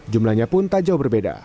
jumlahnya pun tak jauh berbeda